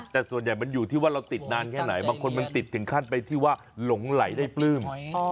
แต่ส่วนใหญ่มันอยู่ที่ว่าเราติดนานแค่ไหนบางคนมันติดถึงขั้นไปที่ว่าหลงไหลได้ปลื้ม